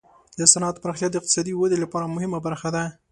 د صنعت پراختیا د اقتصادي ودې لپاره مهمه برخه ده.